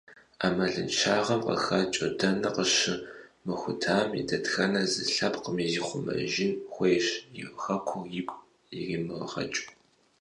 Ӏэмалыншагъэм къыхэкӏыу, дэнэ къыщымыхутами, дэтхэнэ зы лъэпкъми зихъумэжын хуейщ, и Хэкур игу иримыгъэкӏыу.